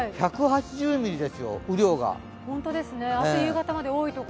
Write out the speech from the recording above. １８０ミリですよ、雨量が。